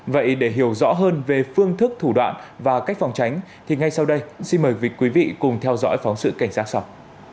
vậy để hiểu rõ hơn về phương thức thủ đoạn và cách phòng tránh thì ngay sau đây xin mời quý vị cùng theo dõi phóng sự cảnh giác sau